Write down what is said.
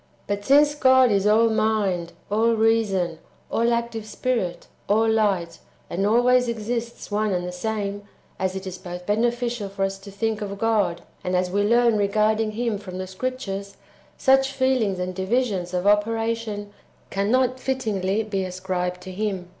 But since God is^ all mind, all reason, all active spirit, all light, and always exists one and the same, as it is both beneficial for us to think of God, and as we learn re garding Him from the Scriptures, such feelings and divisions [of operation] cannot fittingly be ascribed to Him.